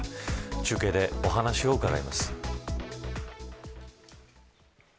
中継でお話を伺います。